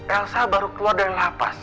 elsa baru keluar dari lapas